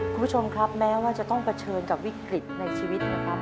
คุณผู้ชมครับแม้ว่าจะต้องเผชิญกับวิกฤตในชีวิตนะครับ